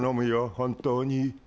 本当に。